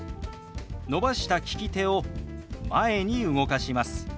伸ばした利き手を前に動かします。